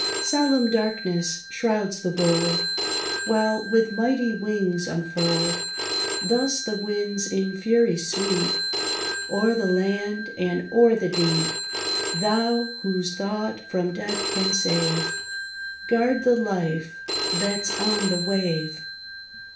Solemn darkness shrouds the world; While, with mighty wings unfurled, Thus the winds in fury sweep O'er the land, and o'er the deep, Thou, whose thought from death can save, Guard the life that 's on the wave!